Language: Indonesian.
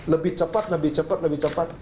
lebih cepat lebih cepat lebih cepat